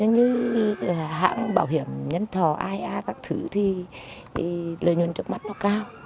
như hãng bảo hiểm nhân thọ ia các thứ thì lợi nhuận trước mắt nó cao